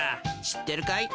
知ってるかい？